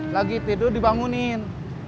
lagi tidur dibangunin